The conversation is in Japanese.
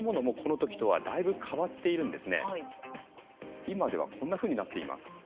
今ではこんなふうになっています。